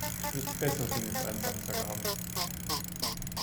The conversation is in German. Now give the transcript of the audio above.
Ich wüsste bessere Dinge für einen Samstagabend.